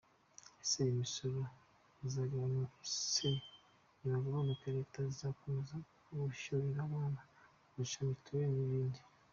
Ese imisoro izagabanywa, ese nigabanuka leta izakomeza kwishyurira abana buruse, mituweli n’ibindi ?